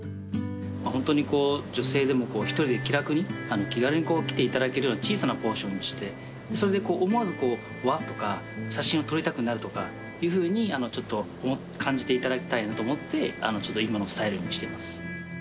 ホントに女性でも１人で気楽に気軽に来ていただけるように小さなポーションにしてそれで思わず「わあ」とか写真を撮りたくなるとかいうふうに感じていただきたいなと思って今のスタイルにしてます。